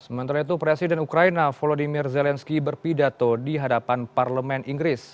sementara itu presiden ukraina volodymyr zelensky berpidato di hadapan parlemen inggris